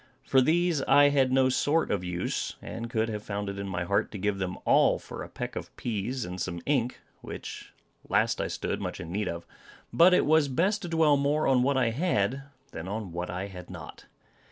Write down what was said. For these I had no sort of use, and could have found it in my heart to give them all for a peck of peas and some ink, which last I stood much in need of. But it was best to dwell more on what I had, than on what I had not.